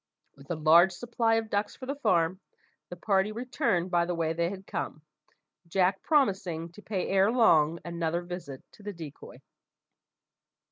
With a large supply of ducks for the farm, the party returned by the way they had come, Jack promising to pay ere long another visit to the decoy.